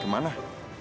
gue mau ke rumah